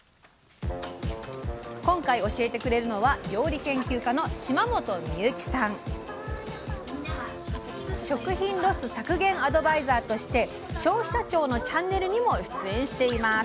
今回教えてくれるのは食品ロス削減アドバイザーとして消費者庁のチャンネルにも出演しています。